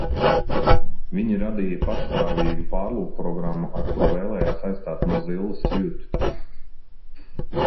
Viņi radīja patstāvīgu pārlūkprogrammu, ar kuru vēlējās aizstāt Mozilla Suite.